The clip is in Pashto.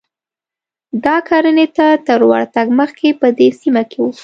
دا کرنې ته تر ورتګ مخکې په دې سیمه کې و